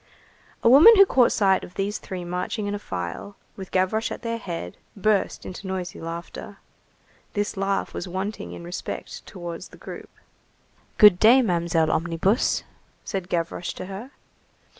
A woman who caught sight of these three marching in a file, with Gavroche at their head, burst into noisy laughter. This laugh was wanting in respect towards the group. "Good day, Mamselle Omnibus," said Gavroche to her.